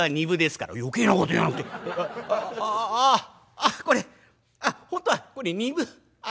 あっこれ本当はこれ２分ああ